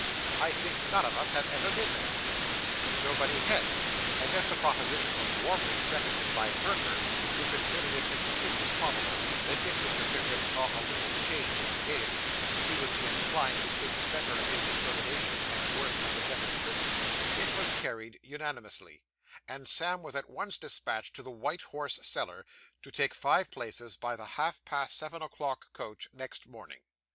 I think none of us have ever been there.' Nobody had; and as the proposition was warmly seconded by Perker, who considered it extremely probable that if Mr. Pickwick saw a little change and gaiety he would be inclined to think better of his determination, and worse of a debtor's prison, it was carried unanimously; and Sam was at once despatched to the White Horse Cellar, to take five places by the half past seven o'clock coach, next morning.